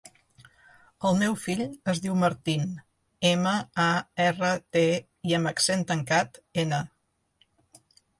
El meu fill es diu Martín: ema, a, erra, te, i amb accent tancat, ena.